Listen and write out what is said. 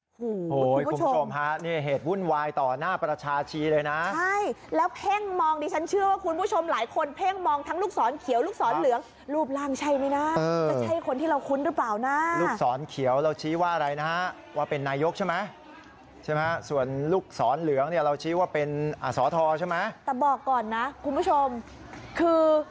โอ้โหคุณผู้ชมฮะนี่เหตุวุ่นวายต่อหน้าประชาชีเลยนะใช่แล้วเพ่งมองดิฉันเชื่อว่าคุณผู้ชมหลายคนเพ่งมองทั้งลูกศรเขียวลูกศรเหลืองรูปร่างใช่ไหมนะจะใช่คนที่เราคุ้นหรือเปล่านะลูกศรเขียวเราชี้ว่าอะไรนะฮะว่าเป็นนายกใช่ไหมใช่ไหมส่วนลูกศรเหลืองเนี่ยเราชี้ว่าเป็นสอทรใช่ไหมแต่บอกก่อนนะคุณผู้ชมคือ